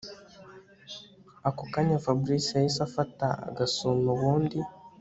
Ako kanya Fabric yahise afata agasume ubundi